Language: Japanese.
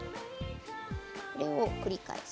これを繰り返す。